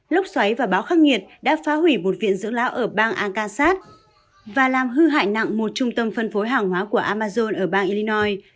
lốc xoáy và báo khắc nghiệt đã phá hủy một viện dưỡng lão ở bang akasat và làm hư hại nặng một trung tâm phân phối hàng hóa của amazon ở bang illinoi